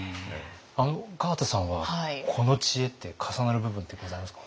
あの川田さんはこの知恵って重なる部分ってございますか？